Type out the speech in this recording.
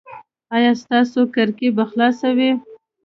ایا ستاسو کړکۍ به خلاصه وي؟